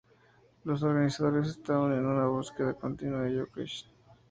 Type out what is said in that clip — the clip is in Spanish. Los organizadores estaban en una búsqueda continua de jockeys.